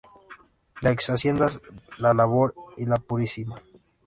Las ex-haciendas "La Labor" y "La Purísima".